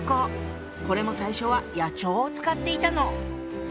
これも最初は野鳥を使っていたの。